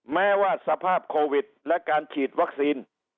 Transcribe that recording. แม้ว่าสภาพโควิดและการฉีดวัคซีน